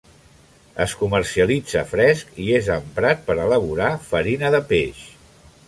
Es comercialitza fresc i és emprat per a elaborar farina de peix.